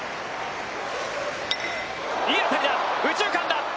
いい当たりだ、右中間だ。